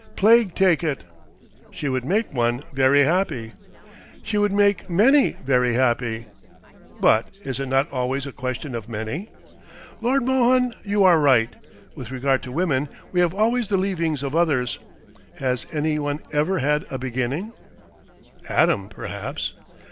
"Plague take it." "She would make one very happy." "She would make many very happy." "But is it not always a question of many?" "Lord Mohun, you are right. With regard to women, we have always the leavings of others. Has any one ever had a beginning?" "Adam, perhaps."